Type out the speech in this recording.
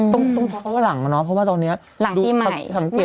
ต้องเขาว่าหลังมาเนาะเพราะว่าตอนนี้